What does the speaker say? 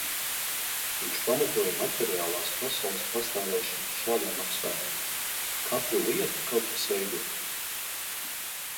Viņš pamatoja materiālās pasaules pastāvēšanu ar šādiem apsvērumiem: katru lietu kaut kas veido.